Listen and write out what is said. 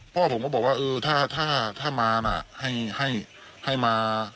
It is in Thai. พ่อผมก็บอกว่าเออถ้าถ้าถ้ามาน่ะให้ให้ให้มา